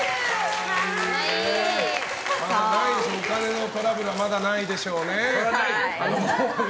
お金のトラブルはまだないでしょうね。